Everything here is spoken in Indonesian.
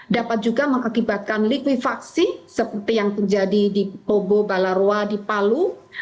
dapat juga mengakibatkan likuifaksi seperti yang terjadi di kobo balaroa di palu